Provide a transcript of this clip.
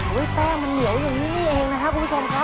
ออยแป้งเหนียวอย่างนี้เองนะครับคุณภาษา